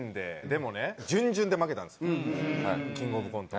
でもね準々で負けたんですよキングオブコント。